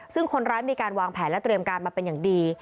ซึ่งคนร้ายมีการวางแผนและเตรียมการมาเป็นอย่างดี